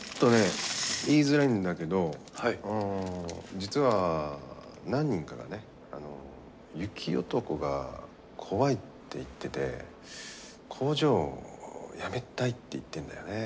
実は何人かがね雪男が怖いって言ってて工場辞めたいって言ってんだよね。